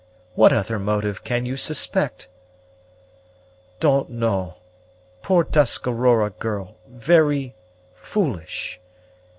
What other motive can you suspect?" "Don't know. Poor Tuscarora girl very foolish.